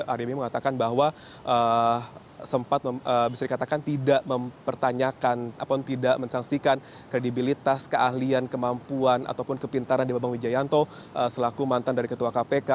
ademi mengatakan bahwa sempat bisa dikatakan tidak mempertanyakan atau tidak mensangsikan kredibilitas keahlian kemampuan ataupun kepintaran di bambang wijayanto selaku mantan dari ketua kpk